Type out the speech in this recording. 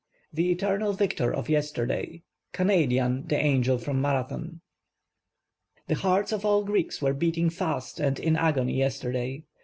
The Eternal Victor of \e.sterday ‚ÄĒ Canadian the Angel FROM Marathon. The hearts of all Greeks were beating fast and in agony yes terday.